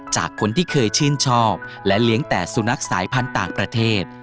จากคนที่เคยชื่นชอบและเลี้ยงแต่สุนัขสายพันธุ์ต่างประเทศ